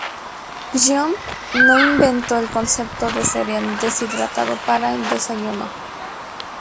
John no inventó el concepto del cereal deshidratado para el desayuno.